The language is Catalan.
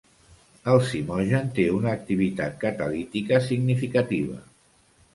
El zimogen té una activitat catalítica significativa.